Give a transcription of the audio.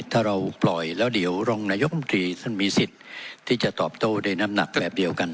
ถ้าเราปล่อยแล้วเดี๋ยวรองนายกรรมตรีท่านมีสิทธิ์ที่จะตอบโต้ด้วยน้ำหนักแบบเดียวกัน